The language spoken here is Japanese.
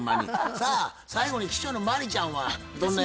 さあ最後に秘書の真理ちゃんはどんな役ですかね？